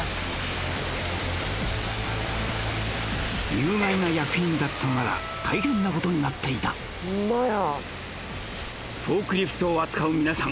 有害な薬品だったなら大変なことになっていたフォークリフトを扱う皆さん